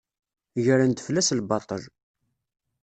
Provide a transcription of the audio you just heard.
Gren-d fell-as lbaṭel.